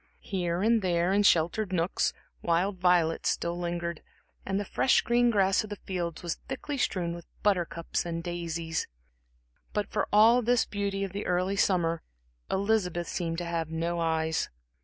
Here and there, in sheltered nooks, wild violets still lingered, and the fresh green grass in the fields was thickly strewn with buttercups and daisies. But for all this beauty of the early summer Elizabeth seemed to have no eyes.